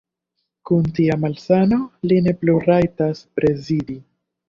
Kun tia malsano li ne plu rajtas prezidi!